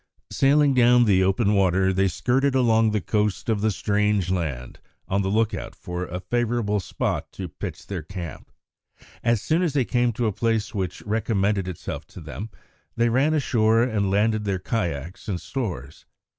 Sailing down the open water, they skirted along the coast of the strange land, on the lookout for a favourable spot to pitch their camp. As soon as they came to a place which recommended itself to them, they ran ashore and landed their kayaks and stores.